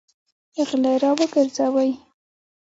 غله راوګرځوئ!